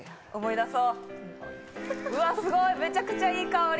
うわ、すごいめちゃくちゃいい香り。